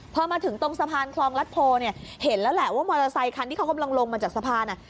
พอมาถึงตรงสะพานคลองรัฐโพเนี่ยเห็นแล้วแหละว่ามอเตอร์ไซคันที่เขากำลังลงมาจากสะพาน